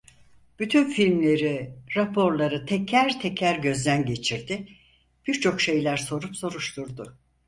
Bütün filmleri, raporları teker teker gözden geçirdi, birçok şeyler sorup soruşturdu.